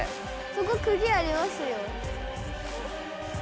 そこクギありますよ。